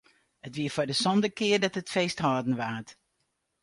It wie foar de sânde kear dat it feest hâlden waard.